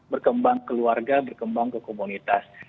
berkembang keluarga berkembang ke komunitas